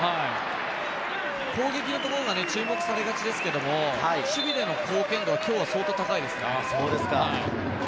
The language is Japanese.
攻撃のところが注目されがちですけど、守備での貢献度は今日相当高いですね。